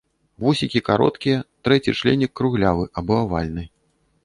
Вусікі кароткія, трэці членік круглявы або авальны.